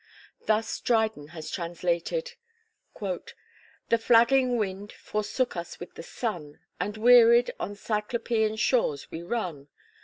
Thus Dryden has translated: "The flagging wind forsook us with the sun, And wearied, on Cyclopean shores we run.